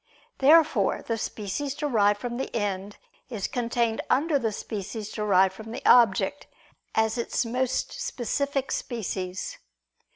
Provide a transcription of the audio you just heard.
Therefore the species derived from the end, is contained under the species derived from the object, as its most specific species.